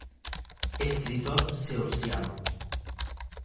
Escritor xeorxiano.